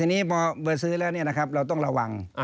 เมื่อซื้อแล้วเราต้องระวัง